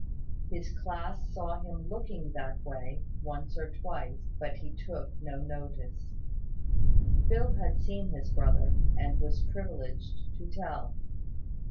His class saw him looking that way, once or twice; but he took no notice. Phil had seen his brother, and was privileged to tell.